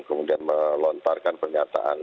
kemudian melontarkan pernyataan